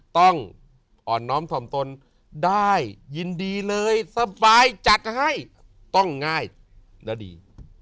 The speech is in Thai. ต้องอ่อนน้อมถ่อมตนได้ยินดีเลยสบายจัดให้ต้องง่ายและดี